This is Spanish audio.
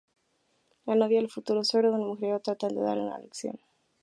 La novia y el futuro suegro de un mujeriego tratan de darle una lección.